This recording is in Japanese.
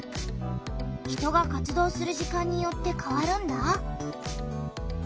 人が活動する時間によってかわるんだ。